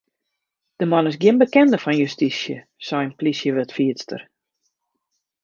De man is gjin bekende fan justysje, seit in plysjewurdfierster.